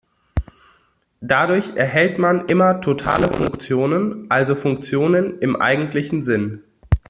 Dadurch erhält man immer totale Funktionen, also Funktionen im eigentlichen Sinn.